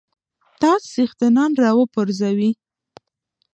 تاج څښتنان را وپرزوي.